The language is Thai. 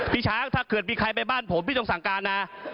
พี่ช้างถ้าเกิดมีใครไปบ้านผมพี่ต้องสั่งการนะ